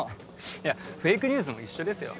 いやフェイクニュースも一緒ですよ。